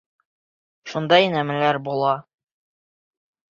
Шундай нәмәләр була...